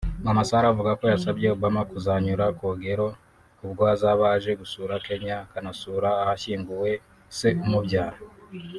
Mama Sarah avuga ko yasabye Obama kuzanyura Kogelo ubwo azaba aje gusura Kenya akanasura ahashyinguye se umubyara